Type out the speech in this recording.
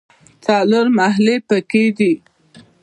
څلور محلې په کې دي.